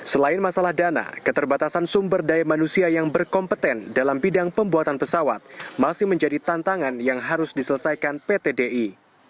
selain masalah dana keterbatasan sumber daya manusia yang berkompeten dalam bidang pembuatan pesawat masih menjadi tantangan yang harus diselesaikan pt di